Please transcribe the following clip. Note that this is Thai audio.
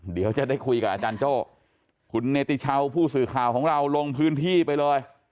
เดี๋ยวจะได้คุยกับอาจารย์โจ้คุณเนติชาวผู้สื่อข่าวของเราลงพื้นที่ไปเลย